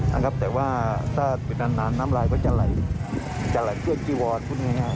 นะครับแต่ว่าถ้าปิดอันนั้นน้ำลายก็จะไหลจะไหลเกือบจีวอร์ดพูดง่ายง่าย